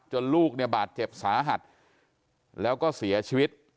ลูกเนี่ยบาดเจ็บสาหัสแล้วก็เสียชีวิต